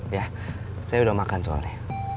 ya saya udah makan soalnya